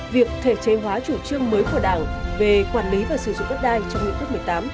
việc thể chế hóa chủ trương mới của đảng về quản lý và sử dụng đất đai trong nghị quyết một mươi tám